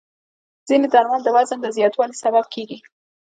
ځینې درمل د وزن د زیاتوالي سبب کېږي.